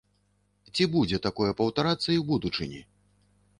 Ці будзе такое паўтарацца і ў будучыні?